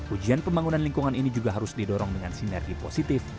ujian pembangunan lingkungan ini juga harus didorong dengan sinergi positif